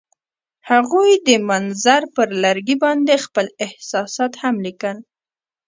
هغوی د منظر پر لرګي باندې خپل احساسات هم لیکل.